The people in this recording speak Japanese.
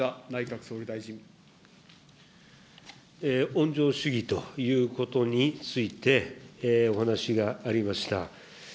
温情主義ということについて、お話がありました。